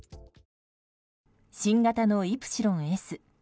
新型のイプシロンＳ。